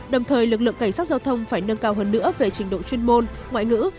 đồng thời lực lượng cảnh sát giao thông phải nâng cao hơn nữa về trình độ chuyên môn ngoại ngữ